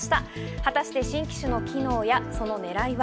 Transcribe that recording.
果たして新機種の機能や、そのねらいは？